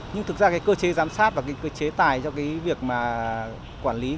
nhưng thực ra cơ chế giám sát và cơ chế tài cho việc quản lý